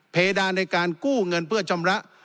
เพดานในการกู้เงินเพื่อชำระ